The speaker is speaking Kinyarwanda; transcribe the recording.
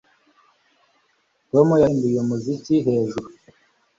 Tom yahinduye umuziki hejuru